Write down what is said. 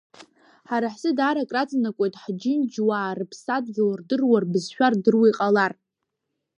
Ҳара ҳзы даара акраҵанакуеит ҳџьынџьуаа рыԥсадгьыл рдыруа, рбызшәа рдыруа иҟалар.